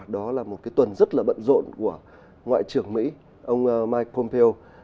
đó là một cái tuần rất là bận rộn của ngoại trưởng mỹ ông mike pompeo